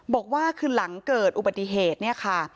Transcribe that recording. บอกว่าคือหลังเกิดอุบัติเหตุเนี่ยค่ะ